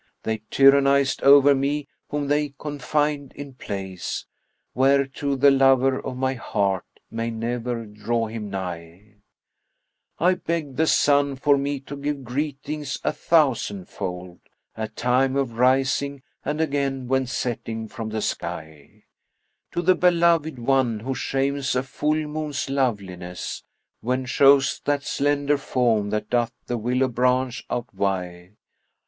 They tyrannised over me whom they confined in place * Whereto the lover of my heart may never draw him nigh: I beg the Sun for me to give greetings a thousandfold, * At time of rising and again when setting from the sky, To the beloved one who shames a full moon's loveliness, * When shows that slender form that doth the willow branch outvie.